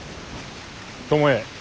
巴。